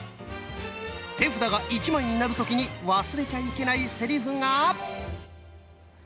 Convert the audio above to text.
手札が１枚になる時に忘れちゃいけないセリフが。